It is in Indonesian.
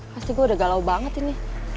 pasti gue udah galau banget ini